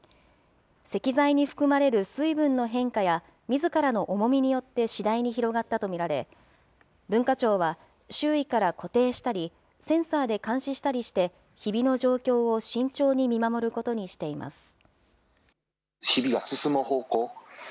石材に含まれる水分の変化や、みずからの重みによって次第に広がったと見られ、文化庁は周囲から固定したり、センサーで監視したりして、ひびの状況を慎重に見守ることにしています。